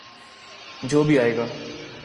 جو بھی آئے گا۔